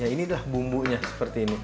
ini adalah bumbunya seperti ini